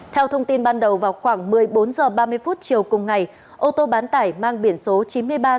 theo thông tin ban đầu vào khoảng một mươi bốn h ba mươi chiều cùng ngày ô tô bán tải mang biển số chín mươi ba c một mươi sáu nghìn ba trăm sáu mươi